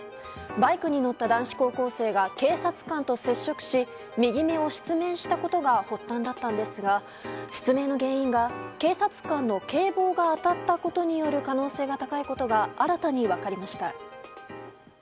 バイクに乗った男子高校生が警察官と接触し右目を失明したことが発端だったんですが失明の原因が、警察官の警棒が当たったことによる可能性が高いことが新たに分かりました。